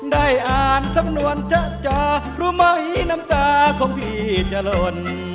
ได้อ่านสำนวนจะรู้ไหมน้ำตาของพี่จะหล่น